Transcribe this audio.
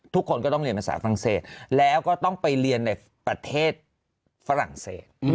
ทุกคนก็ต้องเรียนภาษาฝรั่งเศสแล้วก็ต้องไปเรียนในประเทศฝรั่งเศส